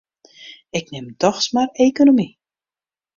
Ik nim dochs mar ekonomy.